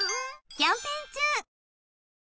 キャンペーン中！